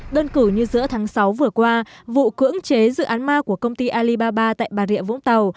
đơn cử như giữa tháng sáu vừa qua vụ cưỡng chế dự án ma của công ty alibaba tại bà rịa vũng tàu